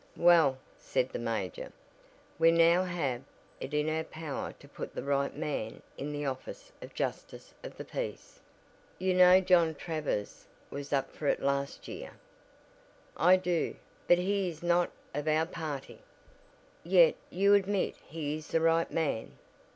"Well," said the major, "we now have it in our power to put the right man in the office of Justice of the Peace. You know John Travers was up for it last year." "I do, but he is not of our party." "Yet you admit he is the right man?"